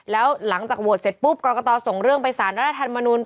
แล้วหลังจากโหวตเสร็จปุ๊บกรกตส่งเรื่องไปสารรัฐธรรมนุน